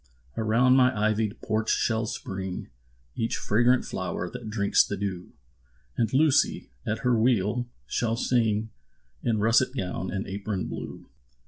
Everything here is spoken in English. Around my ivy'd porch shall spring Each fragrant flower that drinks the dew; And Lucy, at her wheel, shall sing In russet gown and apron blue.